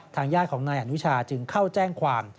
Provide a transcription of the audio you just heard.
ญาติของนายอนุชาจึงเข้าแจ้งความ